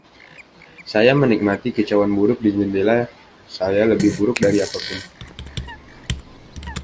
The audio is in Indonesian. Saya menikmati kicauan buruk di jendela saya lebih buruk dari apa pun.